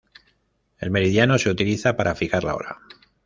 El meridiano se utiliza para fijar la hora.